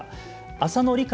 浅野里香